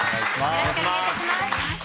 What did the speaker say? よろしくお願いします。